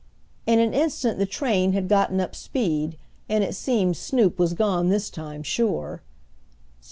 In an instant the train had gotten up speed, and it seemed Snoop was gone this time sure.